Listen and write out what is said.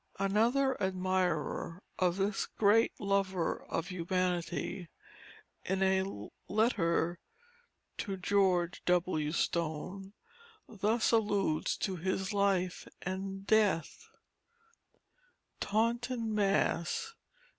Another warm admirer of this Great Lover of humanity, in a letter to George W. Stone thus alludes to his life and death: TAUNTON, MASS.